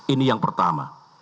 ini yang pertama